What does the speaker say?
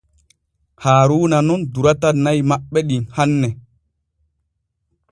Haaruuna nun durata na’i maɓɓe ɗin hanne.